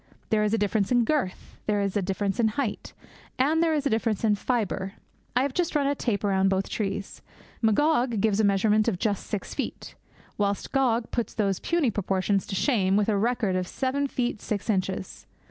There is a difference in girth; there is a difference in height; and there is a difference in fibre. I have just run a tape round both trees. Magog gives a measurement of just six feet; whilst Gog puts those puny proportions to shame with a record of seven feet six inches.